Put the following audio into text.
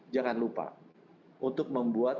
jangan lupa untuk membuat